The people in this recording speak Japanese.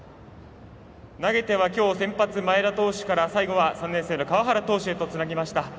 投げてはきょう先発前田投手から最後は３年生の川原投手へつなぎました。